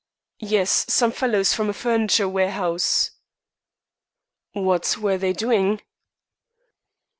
"Yes; some fellows from a furniture warehouse." "What were they doing?"